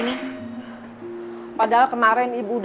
mas aldi blush sempet aku bonus kasih